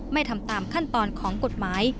ไม่ทำตามขั้นตอนของกฎหมาย